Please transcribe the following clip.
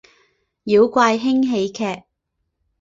妖怪轻喜剧！